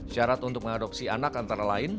syarat untuk mengadopsi anak antara lain